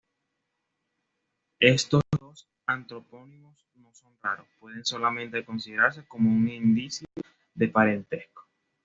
Estos dos antropónimos no son raros; pueden solamente considerarse como un indicio de parentesco.